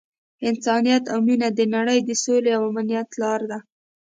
انسانیت او مینه د نړۍ د سولې او امنیت لاره ده.